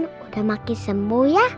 sudah semakin sembuh ya